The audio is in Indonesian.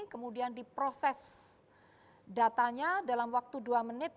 kemudian diproses datanya dalam waktu dua menit